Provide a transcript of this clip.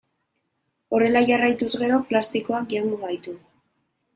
Horrela jarraituz gero plastikoak jango gaitu.